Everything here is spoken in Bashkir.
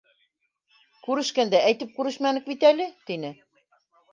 Күрешкәндә әйтеп күрешмәнек бит әле, — тине.